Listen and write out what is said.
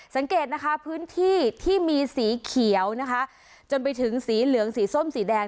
สังเกตนะคะพื้นที่ที่มีสีเขียวนะคะจนไปถึงสีเหลืองสีส้มสีแดง